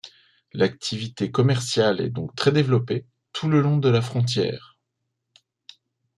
L'activité commerciale est donc très développée tout le long de la frontière.